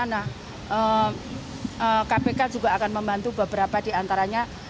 nah kpk juga akan membantu beberapa diantaranya